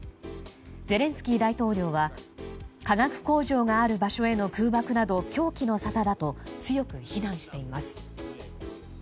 ゼレンスキー大統領は化学工場がある場所への空爆など、狂気の沙汰だと強く非難しています。